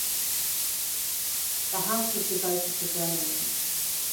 The house was devoted to journalism.